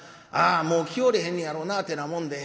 あもう来よれへんねやろなってなもんで。